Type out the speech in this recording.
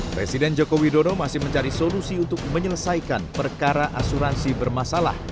presiden joko widodo masih mencari solusi untuk menyelesaikan perkara asuransi bermasalah